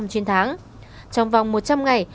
trên tháng trong vòng một trăm linh ngày